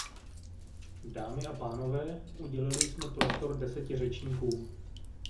Dámy a pánové, udělili jsme prostor deseti řečníkům.